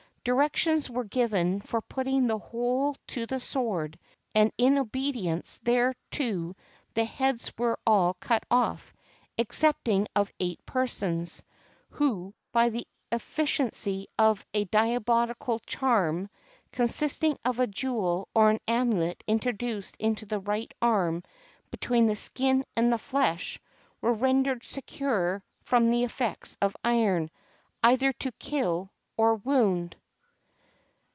Directions were given for putting the whole to the sword, and in obedi ence thereto the heads were of all cut off, excepting of eight persons, who, by the efiicacy of a diabolical charm, consisting of a jewel or amulet introduced into the right arm between the skin and the flesh, were rendered secure from the effects of iron, either to kill or wound.